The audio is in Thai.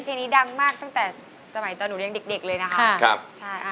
เพลงนี้ดังมากตั้งแต่สมัยตอนหนูยังเด็กเลยนะคะ